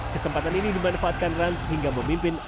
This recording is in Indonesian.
kesempatan ini dimanfaatkan rans hingga memimpin ke tiga